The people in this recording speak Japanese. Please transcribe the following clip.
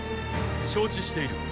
承知している。